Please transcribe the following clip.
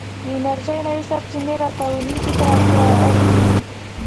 د انرژۍ نوې سرچينې راتلونکي ته اړين دي.